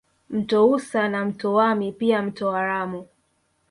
Mto Usa na mto Wami pia mto Waramu